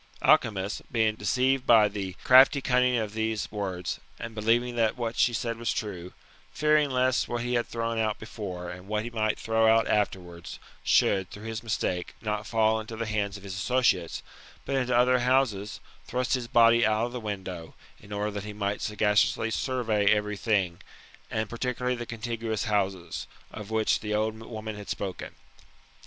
Alcimus, being deceived by the crafty cunning of these words, and believing that what she said was true ; fearing lest what he had thrown out before, and what he might throw out afterwards, should, through his mistake, not fall into ^e hands of his associates, but into other houses, thrust his body out of the window, in order that he might sagaciously survey every thing, and particulariy the contiguous houses, of which the c^d woman had spoken.